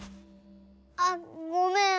あっごめん